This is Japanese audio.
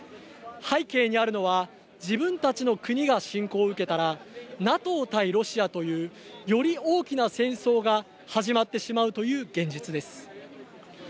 背景にあるのは自分たちの国が侵攻を受けたらＮＡＴＯ対ロシアというより大きな戦争が始まってしまうという現実です。